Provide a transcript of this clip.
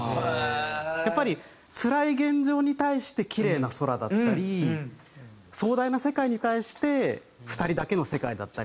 やっぱりつらい現状に対してキレイな空だったり壮大な世界に対して２人だけの世界だったり。